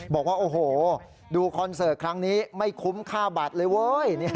บอกว่าโอ้โหดูคอนเสิร์ตครั้งนี้ไม่คุ้มค่าบัตรเลยเว้ย